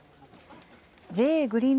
ＪＡグリーン